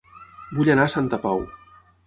Vull anar a Santa Pau